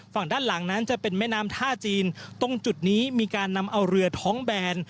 ฝั่งด้านหลังนั้นจะเป็นแม่น้ำท่าจีนตรงจุดนี้มีการนำเอาเรือท้องแบน